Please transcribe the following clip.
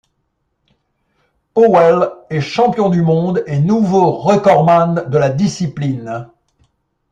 Powell est champion du monde et nouveau recordman de la discipline.